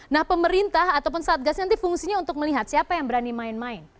nah pemerintah ataupun satgas nanti fungsinya untuk melihat siapa yang berani main main